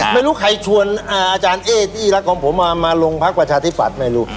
ไม่รู้ใครชวนอาจารย์เอ๊ที่รักของผมมาลงพักประชาธิปัตย์ไม่รู้